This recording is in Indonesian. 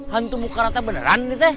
hantu muka rata beneran ni tte